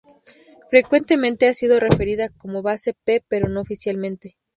Frecuentemente ha sido referida como Base P, pero no oficialmente.